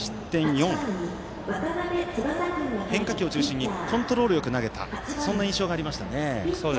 ４、変化球を中心にコントロールよく投げたそんな印象がありましたね。